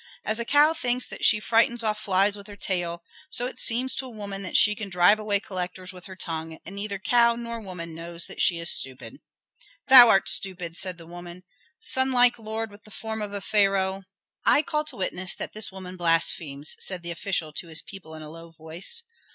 "As a cow thinks that she frightens off flies with her tail, so it seems to a woman that she can drive away collectors with her tongue; and neither cow nor woman knows that she is stupid." "Thou art stupid!" said the woman. "Sunlike lord with the form of a pharaoh " "I call to witness that this woman blasphemes," said the official to his people in a low voice.